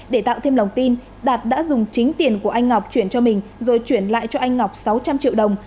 để tạo thêm lòng tin đạt đã dùng chính tiền của anh ngọc chuyển cho mình rồi chuyển lại cho anh ngọc sáu trăm linh triệu đồng